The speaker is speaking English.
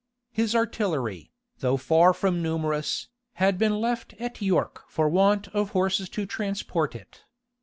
His artillery, though far from numerous, had been left at York for want of horses to transport it.